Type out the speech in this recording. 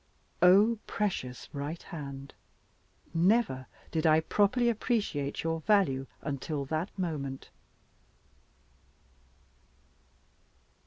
O precious right hand! never did I properly appreciate your value until that moment.